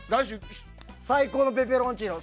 最高のペペロンチーノ。